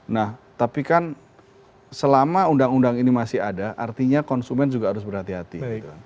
nah tapi kan selama undang undang ini masih ada artinya konsumen juga harus berhati hati